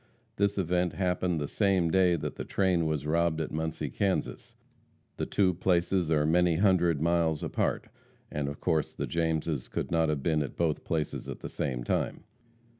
This event happened the same day that the train was robbed at Muncie, Kansas. The two places are many hundred miles apart, and of course the Jameses could not have been at both places at the same time.